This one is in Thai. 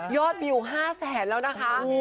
วิว๕แสนแล้วนะคะ